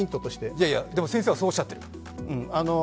いやいや、でも先生はそうおっしゃってる。